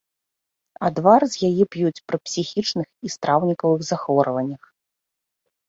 Адвар з яе п'юць пры псіхічных і страўнікавых захворваннях.